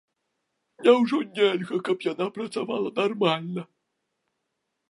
Няўжо нельга, каб яна працавала нармальна?